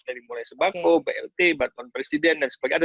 dari mulai sembako blt bantuan presiden dan sebagainya